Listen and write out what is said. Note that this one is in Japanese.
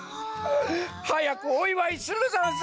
はやくおいわいするざんす！